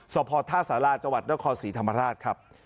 สพท่าสาราจังหวัดนครศรีธรรมราชครับ